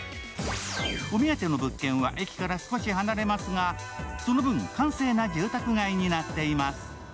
お目当ての物件は駅から少し離れますが、その分、閑静な住宅街になっています。